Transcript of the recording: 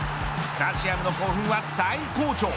スタジアムの興奮は最高潮。